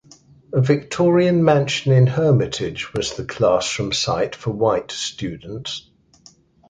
A Victorian mansion in Hermitage was the classroom site for white students.